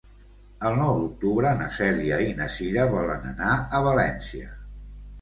El nou d'octubre na Cèlia i na Cira volen anar a València.